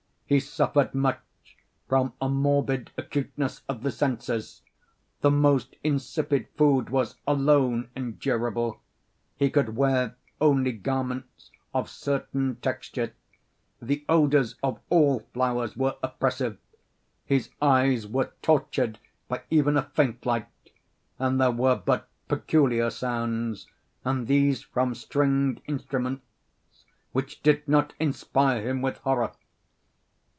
He suffered much from a morbid acuteness of the senses; the most insipid food was alone endurable; he could wear only garments of certain texture; the odors of all flowers were oppressive; his eyes were tortured by even a faint light; and there were but peculiar sounds, and these from stringed instruments, which did not inspire him with horror.